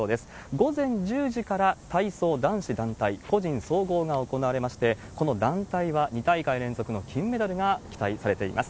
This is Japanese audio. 午前１０時から、体操男子団体、個人総合が行われまして、この団体は、２大会連続の金メダルが期待されています。